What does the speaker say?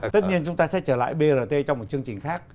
tất nhiên chúng ta sẽ trở lại brt trong một chương trình khác